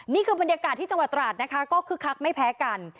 นี่คือบรรยากาศที่จังหวัดตราดนะคะก็คึกคักไม่แพ้กัน